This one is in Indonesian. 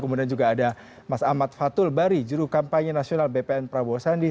kemudian juga ada mas ahmad fatul bari juru kampanye nasional bpn prabowo sandi